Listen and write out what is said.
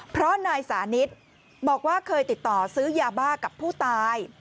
เพราะนายสานิทบอกว่าเคยติดต่อซื้อยาบ้ากับผู้ตาย